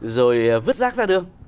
rồi vứt rác ra đường